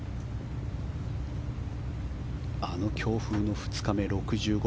あの強風の２日目６５